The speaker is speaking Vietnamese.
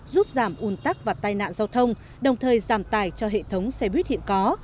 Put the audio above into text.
giúp giảm un tắc và tai nạn giao thông đồng thời giảm tài cho hệ thống xe buýt hiện có